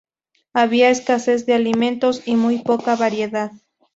Había escasez de alimentos, y muy poca variedad.